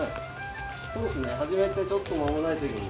そうですね始めてちょっと間もないときに。